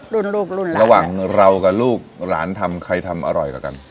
รุ่นลูกรุ่นระหว่างเรากับลูกหลานทำใครทำอร่อยกว่ากัน